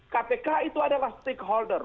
kpk itu adalah stakeholder